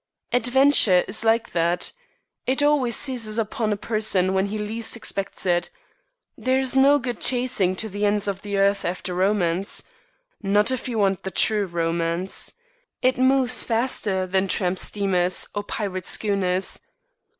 Adventure is like that. It always seizes upon a person when he least expects it. There is no good chasing to the ends of the earth after romance. Not if you want the true romance. It moves faster than tramp steamers or pirate schooners.